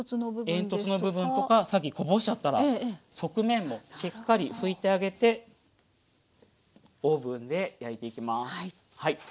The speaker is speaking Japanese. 煙突部分とかさっきこぼしちゃったら側面もしっかり拭いてあげてオーブンで焼いていきます。